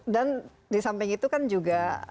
dan disamping itu kan juga